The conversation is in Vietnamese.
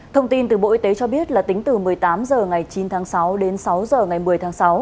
thông tin từ bộ y tế cho biết là tính từ một mươi tám h ngày chín tháng sáu đến sáu h ngày một mươi tháng sáu